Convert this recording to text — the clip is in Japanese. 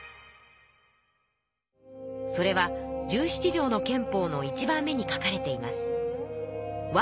それは十七条の憲法の１番目に書かれています。